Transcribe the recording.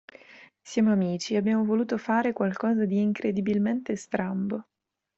Siamo amici e abbiamo voluto fare qualcosa di incredibilmente strambo.